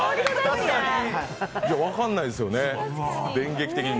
分かんないですよね、電撃的に。